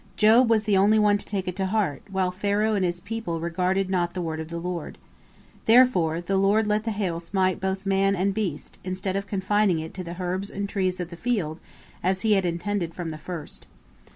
Job was the only one to take it to heart, while Pharaoh and his people regarded not the word of the Lord. Therefore the Lord let the hail smite both man and beast, instead of confining it to the herbs and the trees of the field, as He had intended from the first.